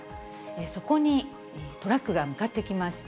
そこにトラックが向かってきました。